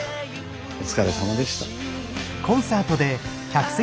お疲れさまでした。